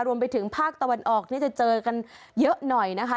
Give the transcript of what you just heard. รวมไปถึงภาคตะวันออกนี่จะเจอกันเยอะหน่อยนะคะ